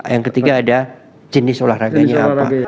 yang ketiga ada jenis olahraganya apa